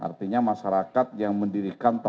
artinya masyarakat yang mendirikan tempat pengungsian